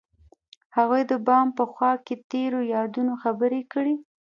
هغوی د بام په خوا کې تیرو یادونو خبرې کړې.